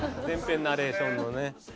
全編ナレーションのね。